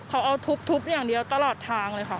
เขาเอาทุบอย่างเดียวตลอดทางเลยค่ะ